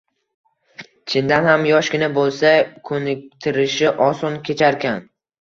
Chindan ham, yoshgina bo`lsa, ko`niktirish oson kecharkan